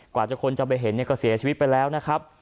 คนจะไปเห็นเนี่ยก็เสียชีวิตไปแล้วนะครับ